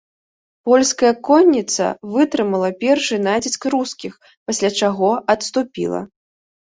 Польская конніца вытрымала першы націск рускіх, пасля чаго адступіла.